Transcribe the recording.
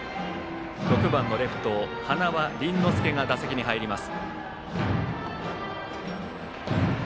６番のレフト塙綸ノ亮が打席に入ります。